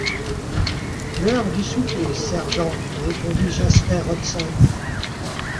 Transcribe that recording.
L’heure du souper, sergent, répondit Jasper Hobson.